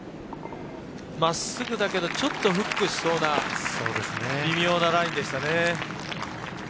まっすぐだけどちょっとフックしそうな微妙なラインでしたね。